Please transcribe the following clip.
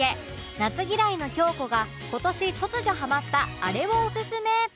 夏嫌いの京子が今年突如ハマったあれをオススメ